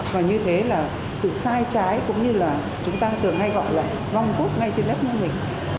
và như thế là sự sai trái cũng như là chúng ta tưởng hay gọi là vong cút ngay trên lớp nông hình